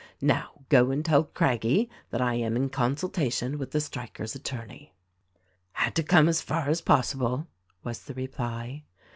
Now go and tell Craggie that I am in con sultation with the strikers' attorney." "Had to come as far as possible," was the reply.